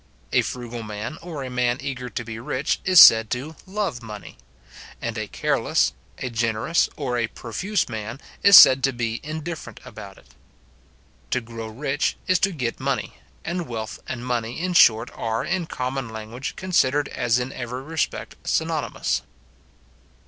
A frugal man, or a man eager to be rich, is said to love money; and a careless, a generous, or a profuse man, is said to be indifferent about it. To grow rich is to get money; and wealth and money, in short, are, in common language, considered as in every respect synonymous.